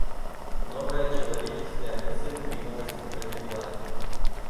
Новая человеческая мысль двинулась и потекла.